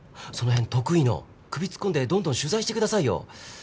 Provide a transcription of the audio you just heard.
その辺得意の首突っ込んでどんどん取材してくださいよ。